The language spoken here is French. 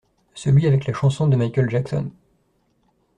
Celui avec la chanson de Michael Jackson.